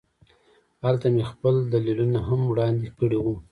هلته مې خپل دلیلونه هم وړاندې کړي وو